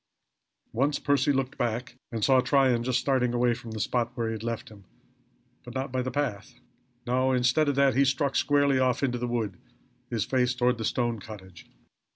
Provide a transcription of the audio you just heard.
Once Percy looked back and saw Tryon just starting away from the spot where he left him, but not by the path. No, instead of that he struck squarely off into the wood, his face toward the stone cottage.